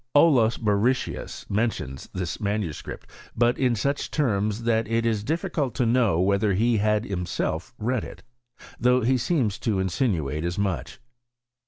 Olaus Borrichius mentions this manuscript ; but m such terms that it ' is difficult to know whether he had himself read it ; though he seems to insinuate as much.